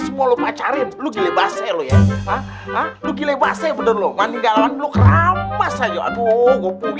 semua lu pacarin lu gile basah lu ya lu gile basah ya bener lu maninggalawan lu keramas aja aduh gue